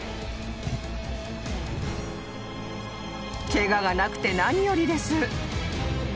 ［ケガがなくて何よりです］